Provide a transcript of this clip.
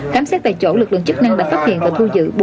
khám xét tại chỗ lực lượng chức năng đã phát hiện và thu giữ